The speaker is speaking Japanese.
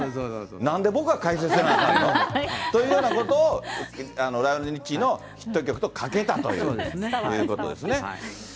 なんで僕が解説せなあかんのというようなことをライオネル・リッチーのヒット曲とかけたという、そういうことですね。